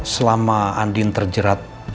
selama andin terjerat